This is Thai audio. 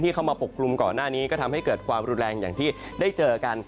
เข้ามาปกคลุมก่อนหน้านี้ก็ทำให้เกิดความรุนแรงอย่างที่ได้เจอกัน